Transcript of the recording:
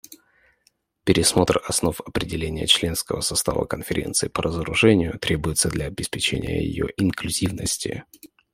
Пересмотр основ определения членского состава Конференции по разоружению требуется для обеспечения ее инклюзивности.